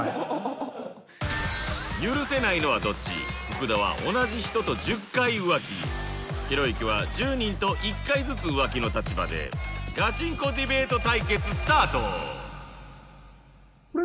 福田は同じ人と１０回浮気ひろゆきは１０人と１回ずつ浮気の立場でガチンコディベート対決スタート！